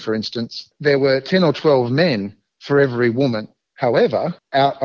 ada sepuluh atau dua belas laki laki untuk setiap wanita